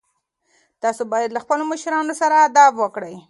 تاسو باید له خپلو مشرانو سره ادب وکړئ.